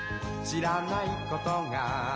「しらないことが」